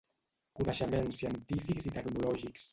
Coneixements científics i tecnològics.